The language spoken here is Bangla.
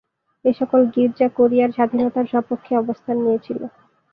এসকল গীর্জা কোরিয়ার স্বাধীনতার স্বপক্ষে অবস্থান নিয়েছিল।